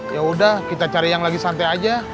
yaudah kita cari yang lagi santai aja